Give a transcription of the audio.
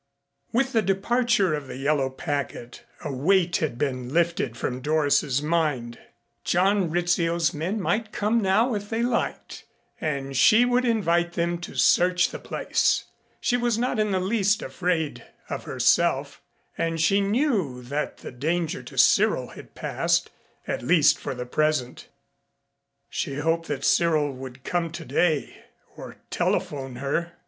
With the departure of the yellow packet a weight had been lifted from Doris's mind. John Rizzio's men might come now if they liked and she would invite them to search the place. She was not in the least afraid of herself, and she knew that the danger to Cyril had passed at least for the present. She hoped that Cyril wouldn't come today or telephone her.